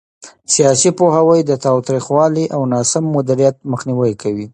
سیاسي پوهاوی د تاوتریخوالي او ناسم مدیریت مخنیوي کوي